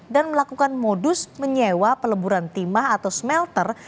dan melakukan modus menyewa peleburan timah atau smelter